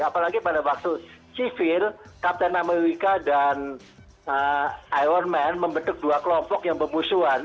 apalagi pada waktu civil captain america dan iron man membentuk dua kelompok yang berbusuan